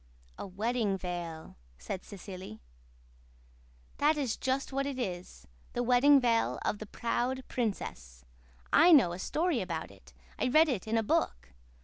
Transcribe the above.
"A wedding veil," said Cecily. "That is just what it is the Wedding Veil of the Proud Princess. I know a story about it. I read it in a book.